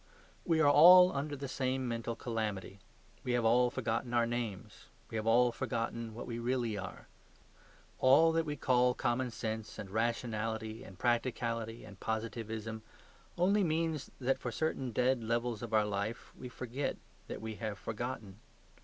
We are all under the same mental calamity; we have all forgotten our names. We have all forgotten what we really are. All that we call common sense and rationality and practicality and positivism only means that for certain dead levels of our life we forget that we have forgotten.